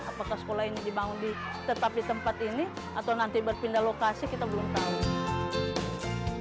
apakah sekolah ini dibangun tetap di tempat ini atau nanti berpindah lokasi kita belum tahu